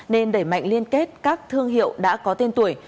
nên đẩy mạnh liên kết các thương hiệu đã có tên tuổi